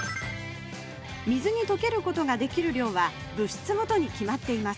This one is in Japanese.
水に溶けることができる量は物質ごとに決まっています。